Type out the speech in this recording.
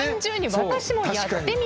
私もやってみたい。